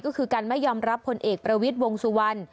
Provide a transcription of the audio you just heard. ก็คือการไม่ยอมรับผลเอกประวิทย์วงสุวรรณ